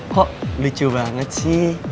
kok lucu banget sih